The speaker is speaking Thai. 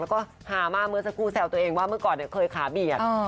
แล้วก็ฮามาเมื่อสักครู่แซวตัวเองว่าเมื่อก่อนเคยขาเบียด